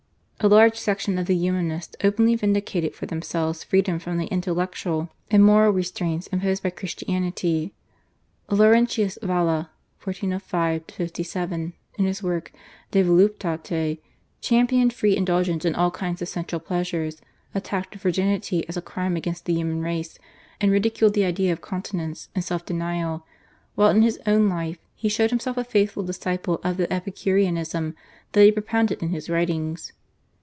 A large section of the Humanists openly vindicated for themselves freedom from the intellectual and moral restraints imposed by Christianity. Laurentius Valla (1405 57) in his work, /De Voluptate/, championed free indulgence in all kinds of sensual pleasures, attacked virginity as a crime against the human race, and ridiculed the idea of continence and self denial, while in his own life he showed himself a faithful disciple of the Epicurianism that he propounded in his writings.